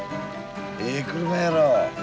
ええ車やろ？